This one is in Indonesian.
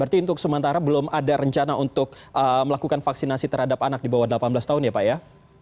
berarti untuk sementara belum ada rencana untuk melakukan vaksinasi terhadap anak di bawah delapan belas tahun ya pak ya